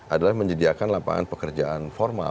adalah menyediakan lapangan pekerjaan